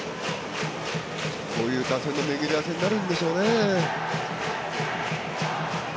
こういう打線の巡り合わせになるんですよね。